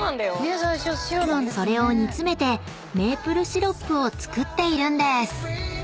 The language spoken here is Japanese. ［それを煮詰めてメープルシロップを作っているんです］